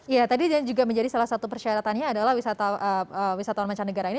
ya tadi dan juga menjadi salah satu persyaratannya adalah wisatawan mancanegara ini